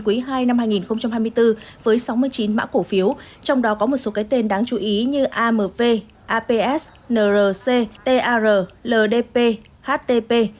quý ii năm hai nghìn hai mươi bốn với sáu mươi chín mã cổ phiếu trong đó có một số cái tên đáng chú ý như amv aps nrc tar ldp htp